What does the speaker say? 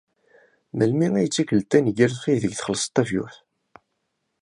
Melmi ay d tikkelt taneggarut aydeg txellṣeḍ tafgurt?